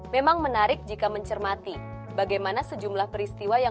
memang menarik jika mencermati bagaimana sejumlah peristiwa yang